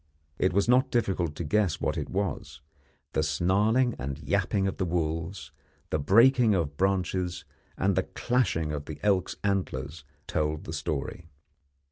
It was not difficult to guess what it was; the snarling and yapping of the wolves, the breaking of branches, and the clashing of the elk's antlers, told the story.